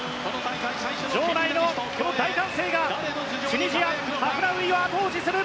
場内のこの大歓声がチュニジア、ハフナウイを後押しする。